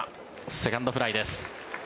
セカンドフライです。